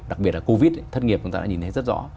đặc biệt là covid thất nghiệp chúng ta đã nhìn thấy rất rõ